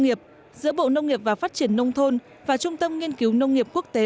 nghiệp giữa bộ nông nghiệp và phát triển nông thôn và trung tâm nghiên cứu nông nghiệp quốc tế